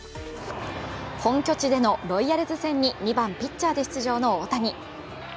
本拠地でのロイヤルズ戦に２番・ピッチャーで出場の大谷。